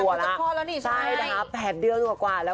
เมียเขาเป็นพ่อแล้วนี่ใช่ใช่นะคะแปดเดือนกว่ากว่าแล้ว